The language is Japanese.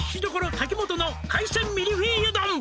タキモトの海鮮ミルフィーユ丼」